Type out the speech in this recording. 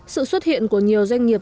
sự xuất hiện của nhiều doanh nghiệp